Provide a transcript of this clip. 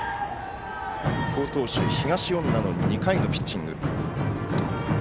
好投手、東恩納の２回のピッチング。